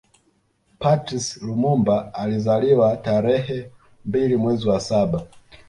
Patrice Lumumba alizaliwa tarehe mbili mwezi wa saba